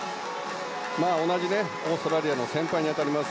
同じオーストラリアの先輩にあたります